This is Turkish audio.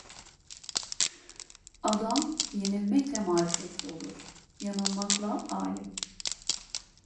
Adam yenilmekle marifetli olur, yanılmakla alim.